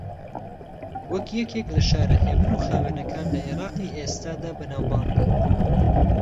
وەک یەکێک لە شارە ھێمن و خاوێنەکان لە عێراقی ئێستادا بەناوبانگە